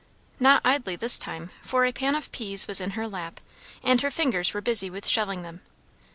Not idly this time; for a pan of peas was in her lap, and her fingers were busy with shelling them.